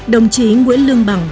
đồng chí nguyễn lương bằng